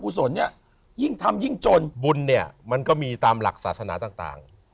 ศลเนี่ยยิ่งทำยิ่งจนบุญเนี่ยมันก็มีตามหลักศาสนาต่าง